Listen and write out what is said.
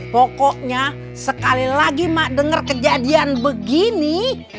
pokoknya sekali lagi ma denger kejadian begini